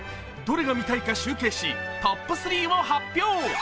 どれが見たいか集計しトップ３を発表。